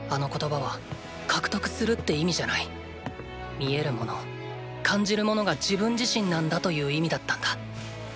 見えるもの感じるものが自分自身なんだという意味だったんだ。